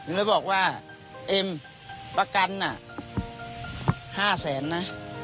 แล้วบอกว่าเอ็มประกันน่ะ๕แสนนะ